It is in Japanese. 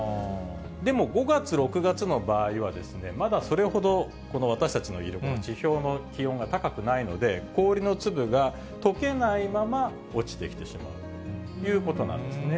でも５月、６月の場合は、まだそれほど私たちのいる地表の気温が高くないので、氷の粒がとけないまま落ちてきてしまうということなんですね。